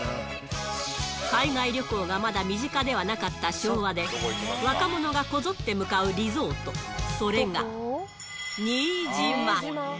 海外旅行がまだ身近ではなかった昭和で、若者がこぞって向かうリゾート、それが、新島。